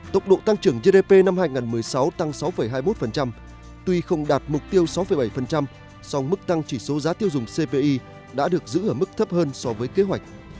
tốc độ tăng trưởng gdp năm hai nghìn một mươi sáu tăng sáu hai mươi một tuy không đạt mục tiêu sáu bảy song mức tăng chỉ số giá tiêu dùng cpi đã được giữ ở mức thấp hơn so với kế hoạch